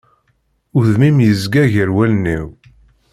Udem-im yezga gar wallen-iw.